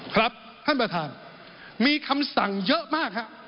ครับท่านประธานมีคำสั่งเยอะมากครับ